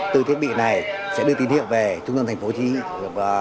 từ thiết bị này sẽ đưa tỉ niệm về trung tâm tp hcm